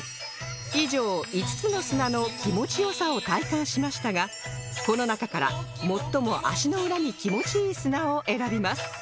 以上５つの砂の気持ち良さを体感しましたがこの中から最も足の裏に気持ちいい砂を選びます